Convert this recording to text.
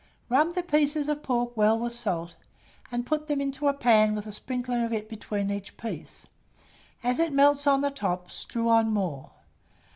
Rub the pieces of pork well with salt, and put them into a pan with a sprinkling of it between each piece: as it melts on the top, strew on more.